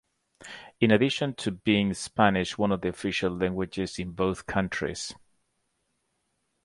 In addition to being Spanish one of the official languages in both countries.